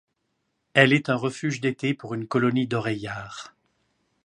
Elle est un refuge d’été pour une colonie d'oreillards.